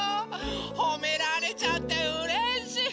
ほめられちゃってうれしい！